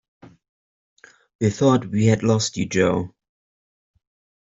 We thought we'd lost you, Jo!